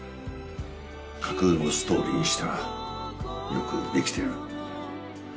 架空のストーリーにしてはよくできてる。